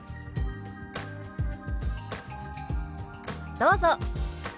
どうぞ。